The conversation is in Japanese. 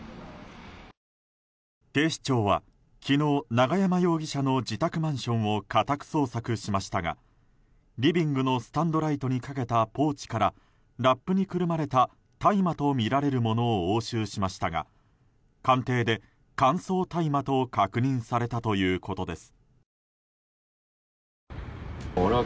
警視庁は昨日永山容疑者の自宅マンションを家宅捜索しましたがリビングのスタンドライトにかけたポーチからラップにくるまれた大麻とみられるものを押収しましたが鑑定で乾燥大麻と確認されたということです。